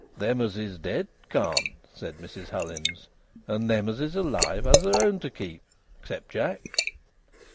"Them as is dead, can't," said Mrs Hullins, "and them as is alive has their own to keep, except Jack."